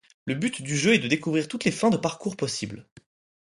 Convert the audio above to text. Le but du jeu est de découvrir toutes les fins de parcours possibles.